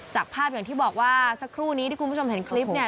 จากภาพอย่างที่บอกว่าสักครู่นี้ที่คุณผู้ชมเห็นคลิปเนี่ย